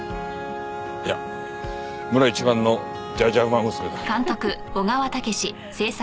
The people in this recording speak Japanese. いや村一番のじゃじゃ馬娘か？